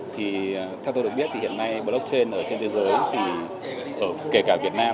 thì theo tôi được biết thì hiện nay blockchain ở trên thế giới thì kể cả việt nam